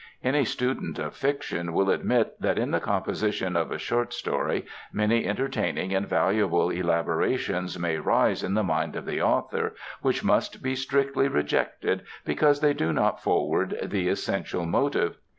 Any student of fiction will admit that in the composition of a short story many entertaining and valuable elaborations may rise in the mind of the author which must be strictly rejected because they do not forward the essential motive.